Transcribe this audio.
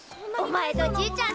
おまえのじいちゃん